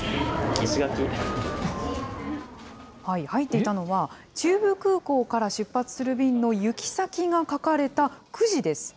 入っていたのは、中部空港から出発する便の行き先が書かれたくじです。